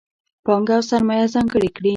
پانګه او سرمایه ځانګړې کړي.